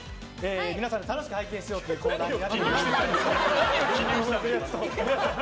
皆さんで楽しく拝見しようというコーナーに。